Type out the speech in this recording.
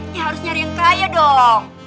ini harus nyari yang kaya dong